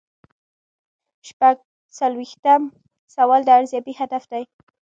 شپږ څلویښتم سوال د ارزیابۍ هدف دی.